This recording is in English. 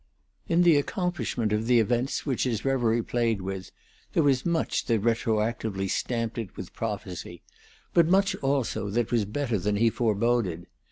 In the accomplishment of the events which his reverie played with, there was much that retroactively stamped it with prophecy, but much also that was better than he forboded.